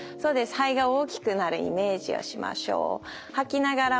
肺が大きくなるイメージをしましょう。